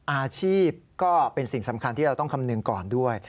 อาชีพก็เป็นสิ่งสำคัญที่เราต้องคำนึงก่อนด้วย